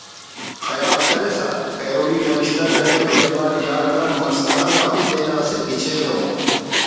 خیال کرسا پیروڈی نوشتہ کرینو جیار یار نا مسخرہ نا ہم تینا اسہ گچین ءُ